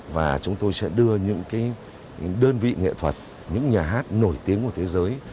và chúng tôi sẽ đưa những đơn vị nghệ thuật những nhà hát nổi tiếng của thế giới